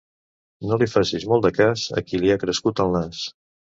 No li facis molt de cas a qui li ha crescut el nas.